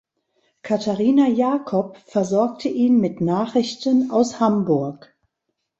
Katharina Jacob versorgte ihn mit Nachrichten aus Hamburg.